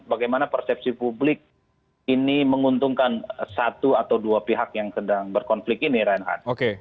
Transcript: bagaimana persepsi publik ini menguntungkan satu atau dua pihak yang sedang berkonflik ini reinhardt